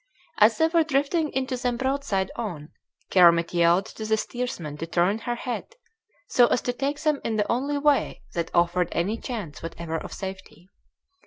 As they were drifting into them broadside on, Kermit yelled to the steersman to turn her head, so as to take them in the only way that offered any chance whatever of safety.